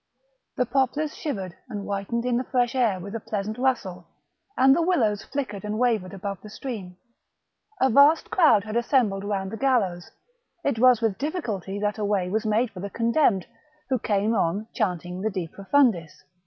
The poplars shivered and whitened in the fresh air with a pleasant rustle, and the willows flickered and wavered above the stream. A vast crowd had assembled round the gallows ; it was with difficulty that a way was made for the con demned, who came on chanting the De profundis.